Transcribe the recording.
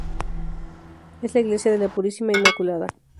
Es la iglesia de la Purísima Inmaculada.